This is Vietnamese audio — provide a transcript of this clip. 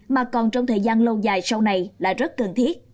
mà còn trong thời gian lâu dài sau này là rất cần thiết